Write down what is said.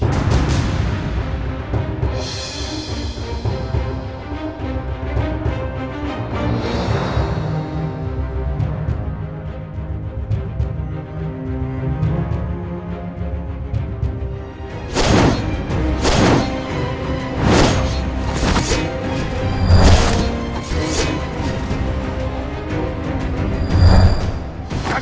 jangan bicara sembarangan